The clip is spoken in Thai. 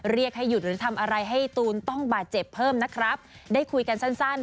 เรียกให้หยุดหรือทำอะไรให้ตูนต้องบาดเจ็บเพิ่มนะครับได้คุยกันสั้นสั้น